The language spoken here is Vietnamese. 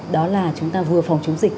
đó là chúng ta vừa phòng chống dịch